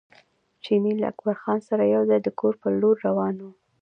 چیني له اکبرجان سره یو ځای د کور پر لور روان و.